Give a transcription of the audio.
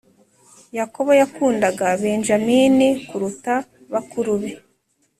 Yakobo yakundaga benjamini kuruta bakuru be